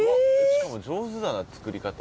しかも上手だな作り方。